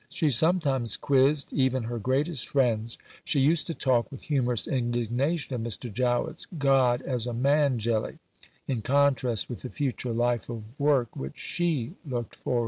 She sometimes quizzed even her greatest friends. She used to talk with humorous indignation of Mr. Jowett's God as a "man jelly," in contrast with the future life of work which she looked forward to.